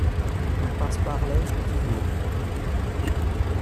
Impasse Barlet, Petit-Bourg